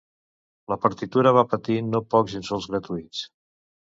La partitura va patir no pocs insults gratuïts.